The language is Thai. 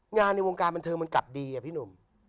ในวงการบันเทิงมันกลับดีอะพี่หนุ่ม